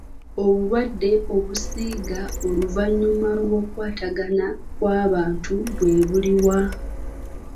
Obulwadde obusiiga oluvannyuma lw'okukwatagana kw'abantu bwe buli wa?